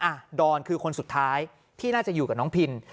ดอนคือคนสุดท้ายที่น่าจะอยู่กับน้องพิน